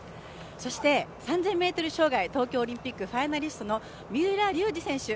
そして３０００ｍ障害東京オリンピックファイナリストの三浦龍司選手